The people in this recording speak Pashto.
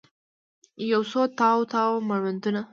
یوڅو تاو، تاو مړوندونه